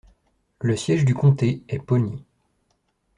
Le siège du comté est Pawnee.